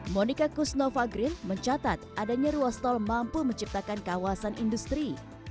monika kusnova green mencatat adanya ruas tol mampu menciptakan kawasan industri